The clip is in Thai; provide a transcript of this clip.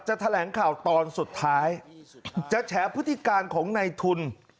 แถลงข่าวตอนสุดท้ายจะแฉพฤติการของในทุน